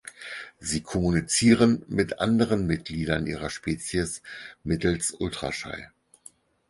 Sie kommunizieren mit anderen Mitgliedern ihrer Spezies mittels Ultraschall.